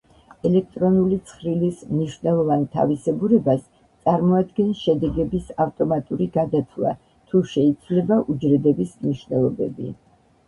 ელექტრონული ცხრილის მნიშვნელოვან თავისებურებას წარმოადგენს შედეგების ავტომატური გადათვლა, თუ შეიცვლება უჯრედების მნიშვნელობები.